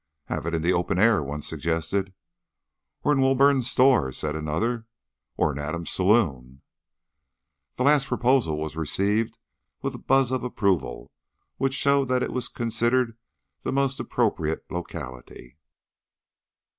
"Have it in the open air," one suggested. "Or in Woburn's store," said another. "Or in Adams' saloon." The last proposal was received with a buzz of approval, which showed that it was considered the most appropriate locality.